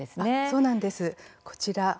そうなんです、こちら。